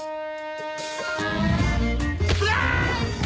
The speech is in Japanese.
うわ！